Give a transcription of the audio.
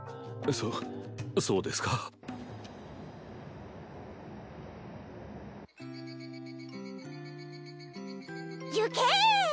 そそうですかゆけ！